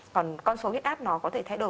còn con số huyết áp nó có thể thay đổi